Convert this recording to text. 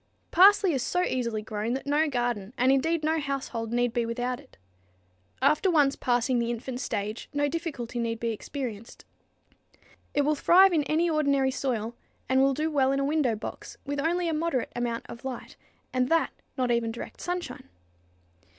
_ Parsley is so easily grown that no garden, and indeed no household, need be without it. After once passing the infant stage no difficulty need be experienced. It will thrive in any ordinary soil and will do well in a window box with only a moderate amount of light, and that not even direct sunshine.